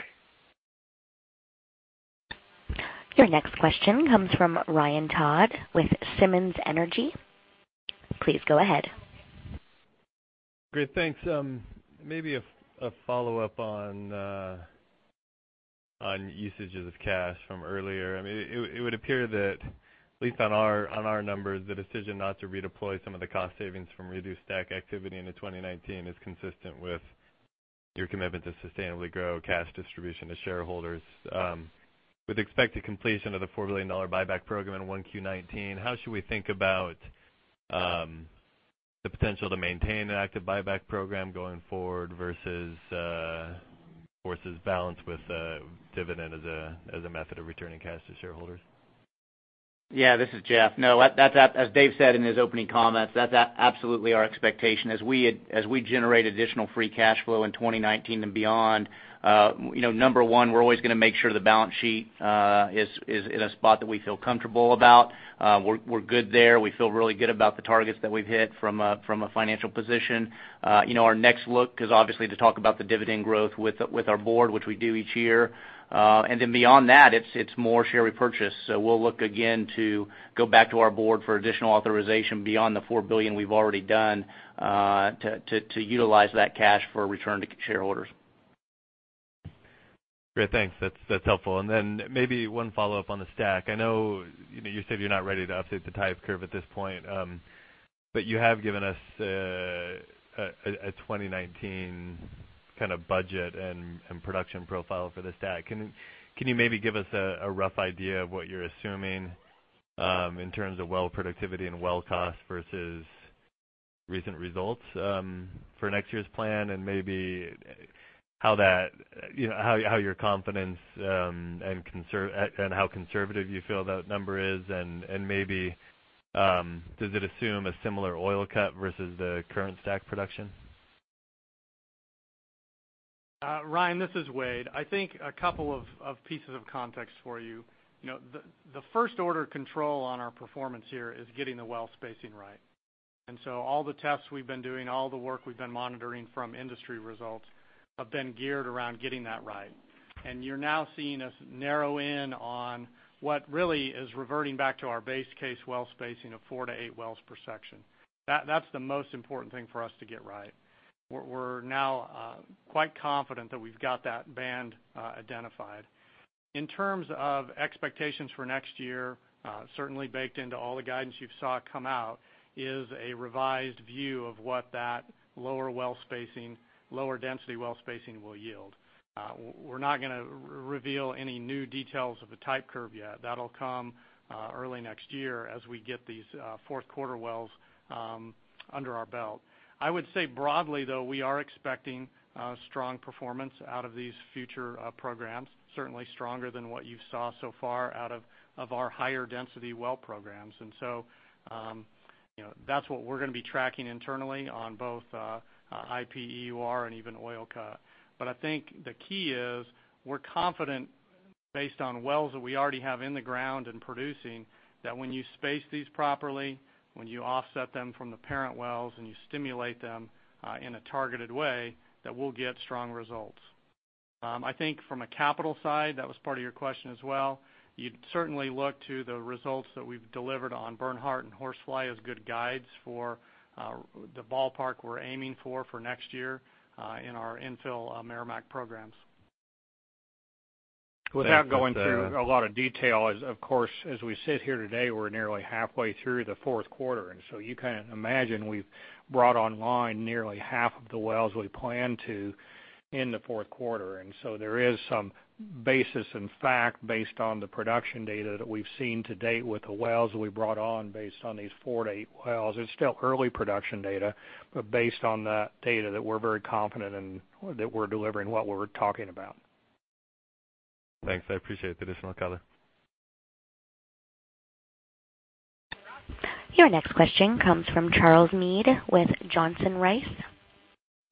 Your next question comes from Ryan Todd with Simmons Energy. Please go ahead. Great, thanks. Maybe a follow-up on usages of cash from earlier. It would appear that at least on our numbers, the decision not to redeploy some of the cost savings from reduced STACK activity into 2019 is consistent with your commitment to sustainably grow cash distribution to shareholders. With expected completion of the $4 billion buyback program in 1Q 2019, how should we think about the potential to maintain an active buyback program going forward versus balance with a dividend as a method of returning cash to shareholders? Yeah, this is Jeff. No, as Dave said in his opening comments, that's absolutely our expectation. As we generate additional free cash flow in 2019 and beyond, number one, we're always going to make sure the balance sheet is in a spot that we feel comfortable about. We're good there. We feel really good about the targets that we've hit from a financial position. Our next look is obviously to talk about the dividend growth with our board, which we do each year. Then beyond that, it's more share repurchase. We'll look again to go back to our board for additional authorization beyond the $4 billion we've already done to utilize that cash for a return to shareholders. Great. Thanks. That's helpful. Maybe one follow-up on the STACK. I know you said you're not ready to update the type curve at this point, but you have given us a 2019 kind of budget and production profile for the STACK. Can you maybe give us a rough idea of what you're assuming in terms of well productivity and well cost versus recent results for next year's plan and maybe how your confidence and how conservative you feel that number is and maybe does it assume a similar oil cut versus the current STACK production? Ryan, this is Wade. I think a couple of pieces of context for you. The first order control on our performance here is getting the well spacing right. All the tests we've been doing, all the work we've been monitoring from industry results, have been geared around getting that right. You're now seeing us narrow in on what really is reverting back to our base case well spacing of four to eight wells per section. That's the most important thing for us to get right. We're now quite confident that we've got that band identified. In terms of expectations for next year, certainly baked into all the guidance you saw come out is a revised view of what that lower density well spacing will yield. We're not going to reveal any new details of a type curve yet. That'll come early next year as we get these fourth quarter wells under our belt. I would say broadly, though, we are expecting strong performance out of these future programs, certainly stronger than what you saw so far out of our higher density well programs. That's what we're going to be tracking internally on both IPEUR and even Oil Cut. I think the key is we're confident based on wells that we already have in the ground and producing, that when you space these properly, when you offset them from the parent wells and you stimulate them in a targeted way, that we'll get strong results. I think from a capital side, that was part of your question as well, you'd certainly look to the results that we've delivered on Bernhardt and Horsefly as good guides for the ballpark we're aiming for next year in our infill Meramec programs. Without going through a lot of detail, of course, as we sit here today, we're nearly halfway through the fourth quarter, you can imagine we've brought online nearly half of the wells we plan to in the fourth quarter. There is some basis in fact based on the production data that we've seen to date with the wells that we brought on based on these 4-8 wells. It's still early production data, based on that data that we're very confident and that we're delivering what we're talking about. Thanks. I appreciate the additional color. Your next question comes from Charles Meade with Johnson Rice.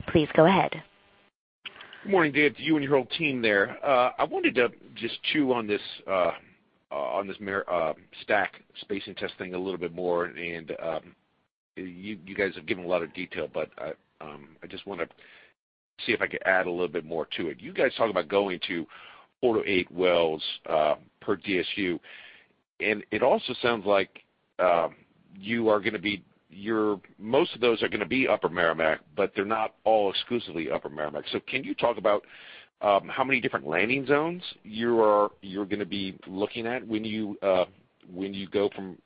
Please go ahead. Good morning, Dave, to you and your whole team there. I wanted to just chew on this STACK spacing test thing a little bit more. You guys have given a lot of detail, but I just want to see if I could add a little bit more to it. You guys talk about going to four to eight wells per DSU, and it also sounds like most of those are going to be Upper Meramec, but they're not all exclusively Upper Meramec. Can you talk about how many different landing zones you're going to be looking at when you go from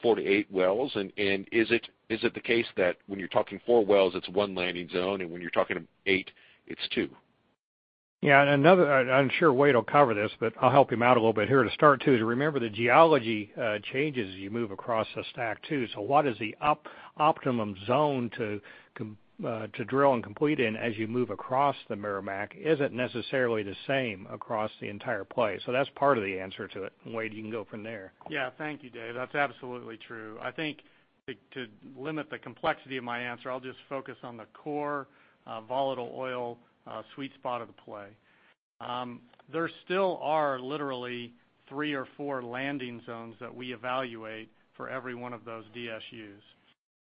four to eight wells? Is it the case that when you're talking four wells, it's one landing zone, and when you're talking eight, it's two? Yeah. I'm sure Wade will cover this, but I'll help him out a little bit here to start too, to remember the geology changes as you move across the STACK too. What is the optimum zone to drill and complete in as you move across the Meramec isn't necessarily the same across the entire play. That's part of the answer to it. Wade, you can go from there. Yeah. Thank you, Dave. That's absolutely true. I think to limit the complexity of my answer, I'll just focus on the core volatile oil sweet spot of the play. There still are literally three or four landing zones that we evaluate for every one of those DSUs.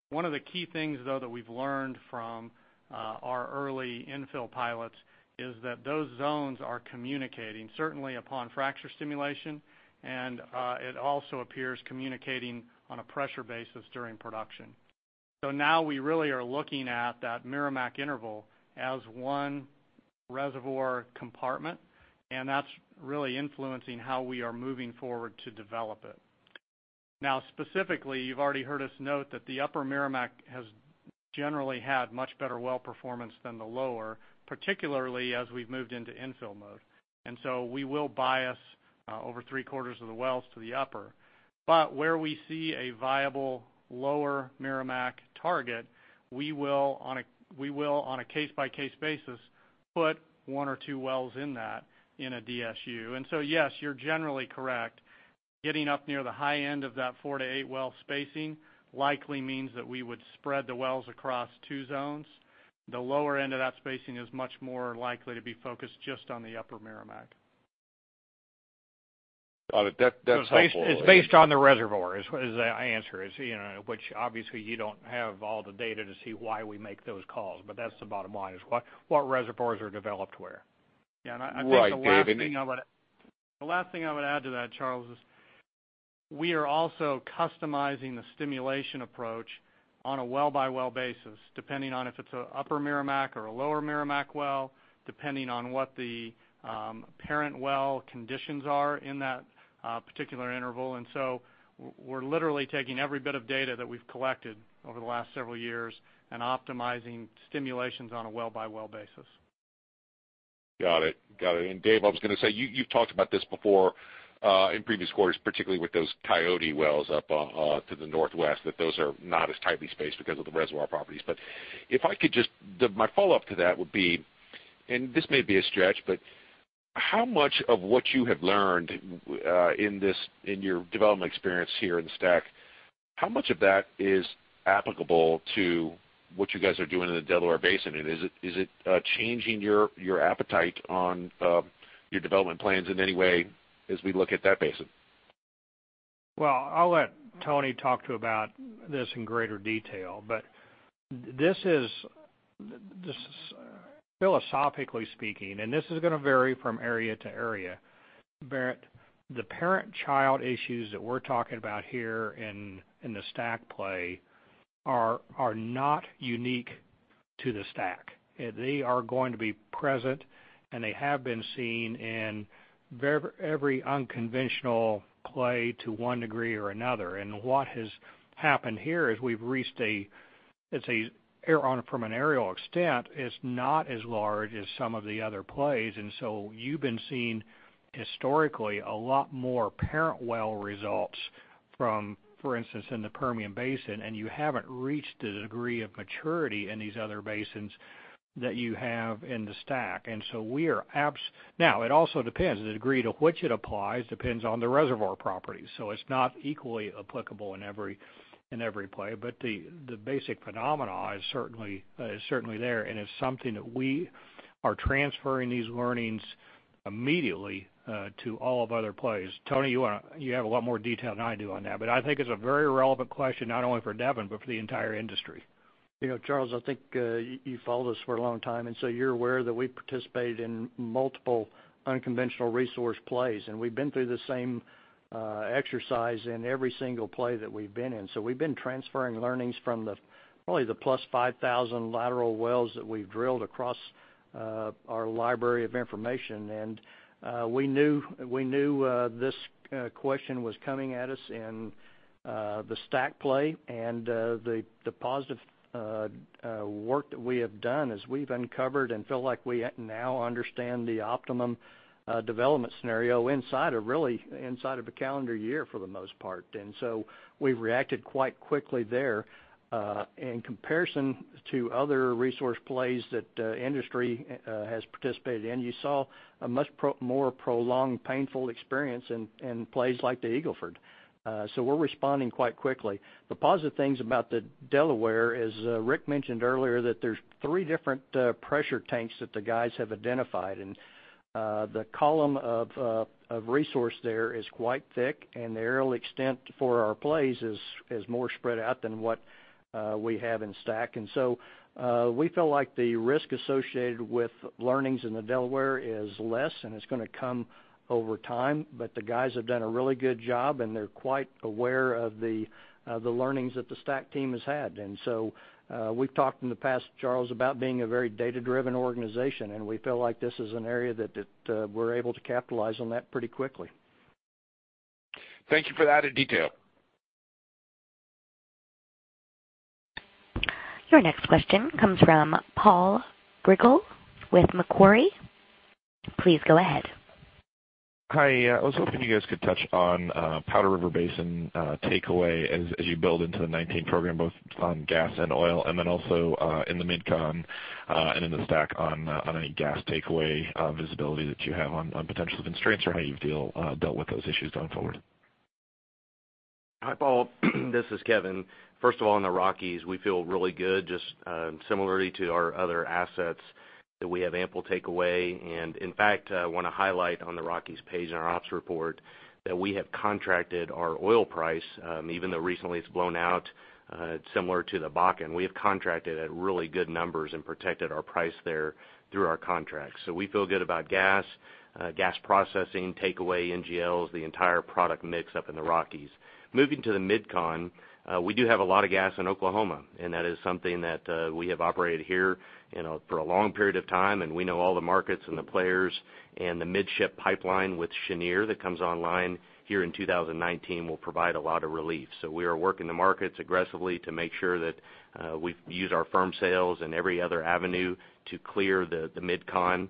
One of the key things, though, that we've learned from our early infill pilots is that those zones are communicating, certainly upon fracture stimulation, and it also appears communicating on a pressure basis during production. Now we really are looking at that Meramec interval as one reservoir compartment. That's really influencing how we are moving forward to develop it. Now, specifically, you've already heard us note that the Upper Meramec has generally had much better well performance than the lower, particularly as we've moved into infill mode. We will bias over three quarters of the wells to the upper. Where we see a viable Lower Meramec target, we will, on a case-by-case basis, put one or two wells in that in a DSU. Yes, you're generally correct. Getting up near the high end of that four to eight well spacing likely means that we would spread the wells across two zones. The lower end of that spacing is much more likely to be focused just on the Upper Meramec. Got it. That's helpful. It's based on the reservoir, is the answer. Which obviously you don't have all the data to see why we make those calls, that's the bottom line, is what reservoirs are developed where. Right, Dave. The last thing I would add to that, Charles, is we are also customizing the stimulation approach on a well-by-well basis, depending on if it's an Upper Meramec or a Lower Meramec well, depending on what the parent well conditions are in that particular interval. We're literally taking every bit of data that we've collected over the last several years and optimizing stimulations on a well-by-well basis. Got it. Dave, I was going to say, you've talked about this before in previous quarters, particularly with those Coyote wells up to the northwest, that those are not as tightly spaced because of the reservoir properties. My follow-up to that would be, and this may be a stretch, but how much of what you have learned in your development experience here in STACK, how much of that is applicable to what you guys are doing in the Delaware Basin? Is it changing your appetite on your development plans in any way as we look at that basin? Well, I'll let Tony talk to you about this in greater detail. Philosophically speaking, and this is going to vary from area to area, but the parent-child issues that we're talking about here in the STACK play are not unique to the STACK. They are going to be present, and they have been seen in every unconventional play to one degree or another. What has happened here is we've reached a, from an areal extent, is not as large as some of the other plays. You've been seeing historically a lot more parent well results from, for instance, in the Permian Basin, and you haven't reached the degree of maturity in these other basins that you have in the STACK. Now, it also depends. The degree to which it applies depends on the reservoir properties. It's not equally applicable in every play. The basic phenomena is certainly there, and it's something that we are transferring these learnings immediately to all of our other plays. Tony, you have a lot more detail than I do on that, but I think it's a very relevant question, not only for Devon, but for the entire industry. Charles, I think you've followed us for a long time, you're aware that we participate in multiple unconventional resource plays, and we've been through the same exercise in every single play that we've been in. We've been transferring learnings from probably the plus 5,000 lateral wells that we've drilled across our library of information. We knew this question was coming at us in the STACK play, and the positive work that we have done as we've uncovered and feel like we now understand the optimum development scenario really inside of a calendar year, for the most part. We've reacted quite quickly there. In comparison to other resource plays that the industry has participated in, you saw a much more prolonged, painful experience in plays like the Eagle Ford. We're responding quite quickly. The positive things about the Delaware, as Rick mentioned earlier, that there's three different pressure tanks that the guys have identified, and the column of resource there is quite thick, and the aerial extent for our plays is more spread out than what we have in STACK. We feel like the risk associated with learnings in the Delaware is less, and it's going to come over time. The guys have done a really good job, and they're quite aware of the learnings that the STACK team has had. We've talked in the past, Charles, about being a very data-driven organization, and we feel like this is an area that we're able to capitalize on that pretty quickly. Thank you for that added detail. Your next question comes from Paul Grigel with Macquarie. Please go ahead. Hi. I was hoping you guys could touch on Powder River Basin takeaway as you build into the 2019 program, both on gas and oil, then also in the MidCon, and in the STACK on any gas takeaway visibility that you have on potential constraints or how you dealt with those issues going forward. Hi, Paul. This is Kevin. First of all, in the Rockies, we feel really good, just similarly to our other assets, that we have ample takeaway. In fact, I want to highlight on the Rockies page in our ops report that we have contracted our oil price, even though recently it's blown out, similar to the Bakken. We have contracted at really good numbers and protected our price there through our contracts. We feel good about gas processing, takeaway, NGLs, the entire product mix up in the Rockies. Moving to the MidCon, we do have a lot of gas in Oklahoma, and that is something that we have operated here for a long period of time, and we know all the markets and the players, and the Midship Pipeline with Cheniere that comes online here in 2019 will provide a lot of relief. We are working the markets aggressively to make sure that we've used our firm sales and every other avenue to clear the MidCon.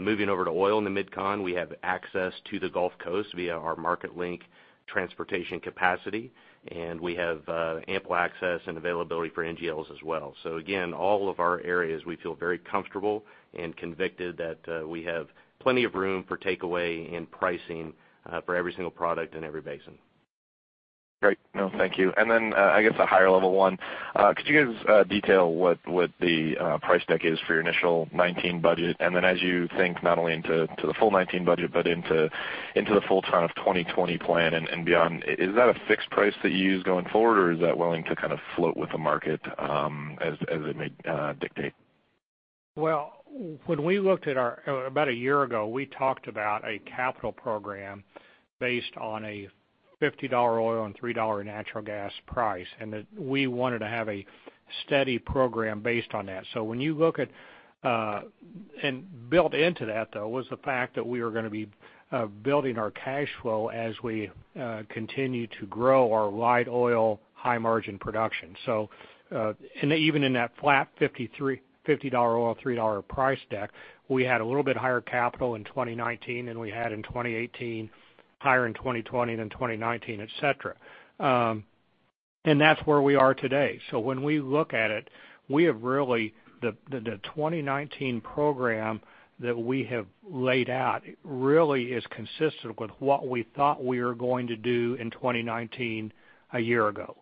Moving over to oil in the MidCon, we have access to the Gulf Coast via our Marketlink transportation capacity, and we have ample access and availability for NGLs as well. Again, all of our areas, we feel very comfortable and convicted that we have plenty of room for takeaway and pricing for every single product in every basin. Great. No, thank you. Then, I guess a higher level one. Could you guys detail what the price deck is for your initial 2019 budget? Then as you think not only into the full 2019 budget, but into the full run of 2020 plan and beyond, is that a fixed price that you use going forward or is that willing to kind of float with the market as it may dictate? About a year ago, we talked about a capital program based on a $50 oil and $3 natural gas price, and that we wanted to have a steady program based on that. Built into that, though, was the fact that we were going to be building our cash flow as we continue to grow our light oil, high margin production. Even in that flat $50 oil, $3 price deck, we had a little bit higher capital in 2019 than we had in 2018, higher in 2020 than 2019, et cetera. That's where we are today. When we look at it, the 2019 program that we have laid out really is consistent with what we thought we were going to do in 2019 a year ago.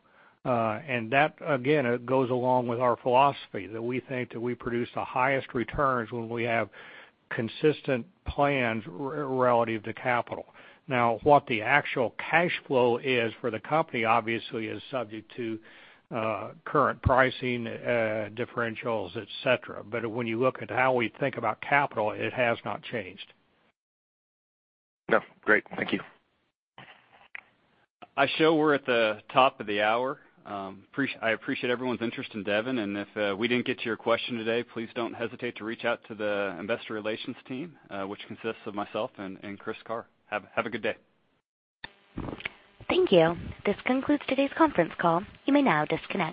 That again, goes along with our philosophy that we think that we produce the highest returns when we have consistent plans relative to capital. Now, what the actual cash flow is for the company obviously is subject to current pricing, differentials, et cetera. When you look at how we think about capital, it has not changed. No. Great. Thank you. I show we're at the top of the hour. I appreciate everyone's interest in Devon, if we didn't get to your question today, please don't hesitate to reach out to the investor relations team, which consists of myself and Chris Carr. Have a good day. Thank you. This concludes today's conference call. You may now disconnect.